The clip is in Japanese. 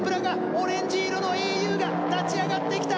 オレンジ色のａｕが立ち上がってきた。